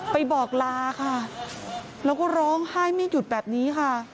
ไปบอกลาค่ะแล้วก็ร้องไห้ไม่หยุดแบบนี้ค่ะ